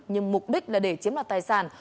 nhưng mục đích là để chiếm lại tài sản